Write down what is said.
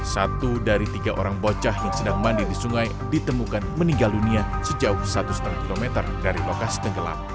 satu dari tiga orang bocah yang sedang mandi di sungai ditemukan meninggal dunia sejauh satu lima km dari lokasi tenggelam